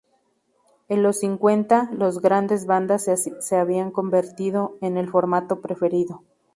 En los cincuenta, las grandes bandas se habían convertido en el formato preferido.